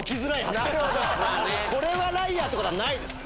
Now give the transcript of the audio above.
これはライアーってことはないです。